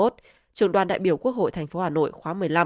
trưởng đoàn đại biểu quốc hội tp hcm khóa một mươi năm